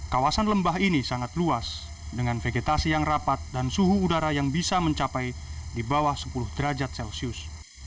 kawasan lembah ini sangat luas dengan vegetasi yang rapat dan suhu udara yang bisa mencapai di bawah sepuluh derajat celcius